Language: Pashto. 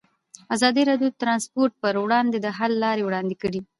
ازادي راډیو د ترانسپورټ پر وړاندې د حل لارې وړاندې کړي.